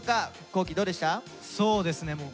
そうですね